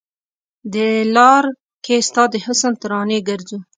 د لار کې ستا د حسن ترانې ګرځو